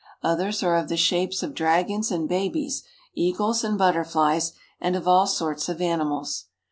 Others are of the shapes of dragons and babies, eagles and butterflies, and of all sorts of animals.